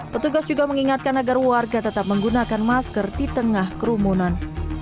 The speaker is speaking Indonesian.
petugas juga mengingatkan agar warga tetap menggunakan masker di tengah kerumunan